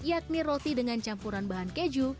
yakni roti dengan campuran bahan keju